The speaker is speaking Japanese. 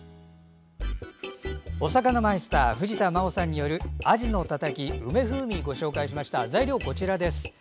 おさかなマイスター藤田真央さんによるあじのたたき梅風味材料はこちらです。